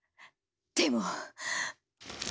でも。